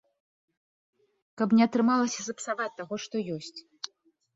Каб не атрымалася сапсаваць таго, што ёсць.